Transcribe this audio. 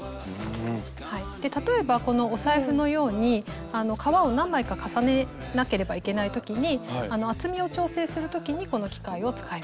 例えばこのお財布のように革を何枚か重ねなければいけない時に厚みを調整する時にこの機械を使います。